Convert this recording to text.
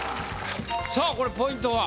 さぁこれポイントは？